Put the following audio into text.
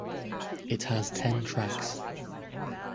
It has ten tracks.